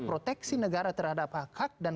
proteksi negara terhadap hak hak dan